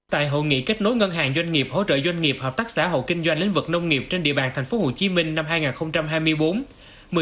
tại hội nghị kết nối ngân hàng doanh nghiệp hỗ trợ doanh nghiệp hợp tác xã hộ kinh doanh lĩnh vực nông nghiệp trên địa bàn tp hcm năm hai nghìn hai mươi bốn